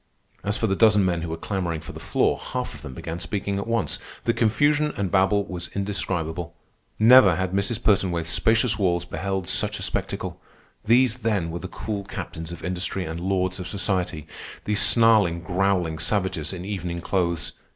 As for the dozen men who were clamoring for the floor, half of them began speaking at once. The confusion and babel was indescribable. Never had Mrs. Pertonwaithe's spacious walls beheld such a spectacle. These, then, were the cool captains of industry and lords of society, these snarling, growling savages in evening clothes.